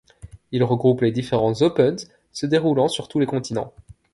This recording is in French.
Il regroupe les différents opens se déroulant sur tous les continents.